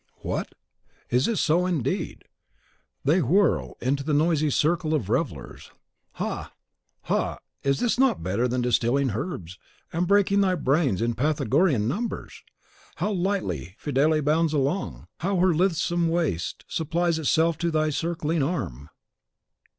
What! is it so, indeed! They whirl into the noisy circle of the revellers. Ha! ha! is not this better than distilling herbs, and breaking thy brains on Pythagorean numbers? How lightly Fillide bounds along! How her lithesome waist supples itself to thy circling arm!